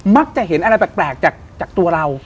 มักจะเห็นอะไรแปลกจากตัวเรา